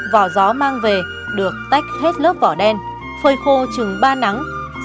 vỏ gió mang về được tách hết lớp vỏ đen phơi khô chừng ba nắng sau đó chặt chặt